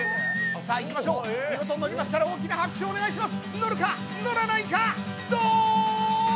さあいきましょう、見事、のりましたら大きな拍手をお願いします。